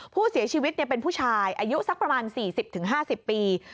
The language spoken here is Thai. ผู้เสียชีวิตเป็นผู้ชายอายุสักประมาณ๔๐๕๐ปี